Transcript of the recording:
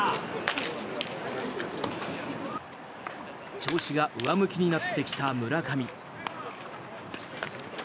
調子が上向きになってきた村上。